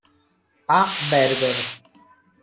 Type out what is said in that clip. A. Berger.